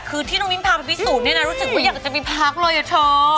คือที่น้องมิ้นท์พาคอภิสุทธิ์นี่นะรู้สึกว่าอยากจะพิพักเลยอะเถอะ